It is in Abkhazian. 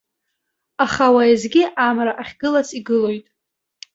Аха уеизгьы амра ахьгылац игылоит.